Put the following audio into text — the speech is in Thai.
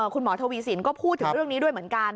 คุณหมอทวีสินก็พูดถึงเรื่องนี้ด้วยเหมือนกัน